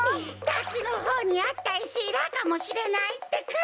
たきのほうにあったいしラかもしれないってか！